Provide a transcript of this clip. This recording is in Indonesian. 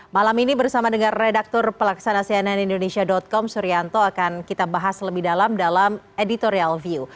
malam ini bersama dengan redaktur pelaksana cnn indonesia com suryanto akan kita bahas lebih dalam dalam editorial view